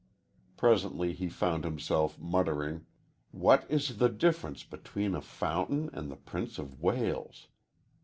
Presently he found himself muttering, "What is the difference between a fountain and the Prince of Wales?"